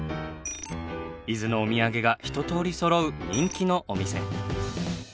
伊豆のお土産がひととおりそろう人気のお店。